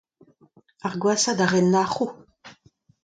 Ar gwashañ d'ar re a nac'ho.